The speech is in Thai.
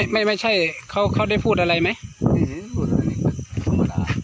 ไม่ใช่เขาได้พูดอะไรไหม